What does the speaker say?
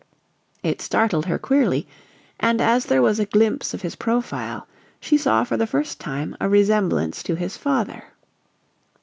It startled her queerly, and as there was a glimpse of his profile she saw for the first time a resemblance to his father.